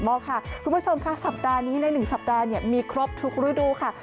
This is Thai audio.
พรูดทีครับค่ะทุกผู้ชมค่ะสัปดาห์นี้ในหนึ่งสัปดาห์เนี่ยมีครบทุกรีดูค่ะ